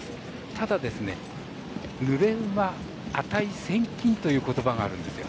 ただ、ぬれ馬値千金という言葉があるんですよ。